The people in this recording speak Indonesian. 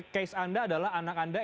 case anda adalah anak anda